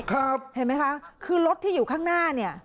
เห็นไหมคะคือรถที่อยู่ข้างหน้าเนี่ย